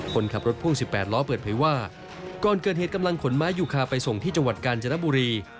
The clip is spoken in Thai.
คนขับรถพ่วง๑๘ล้อเปิดเผยว่าก่อนเกิดเหตุกำลังขนไม้ยูคาไปส่งที่จังหวัดกาญจนบุรี